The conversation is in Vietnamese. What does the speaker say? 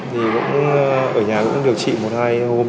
thì ở nhà cũng điều trị một hai hôm